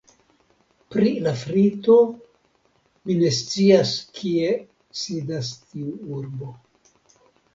Pri Lafrito, mi ne scias kie sidas tiu urbo.